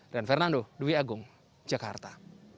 ren fernando dewi agung jakarta